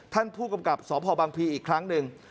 ท่านผู้กำกับสพบังพีอีกครั้งหนึ่ง